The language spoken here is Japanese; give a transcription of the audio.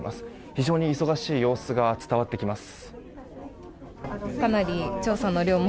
非常に忙しい様子が伝わってきます。